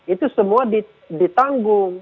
itu semua ditanggung